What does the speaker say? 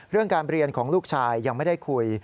เรื่องการเรียนของลูกชายยังไม่ได้คุย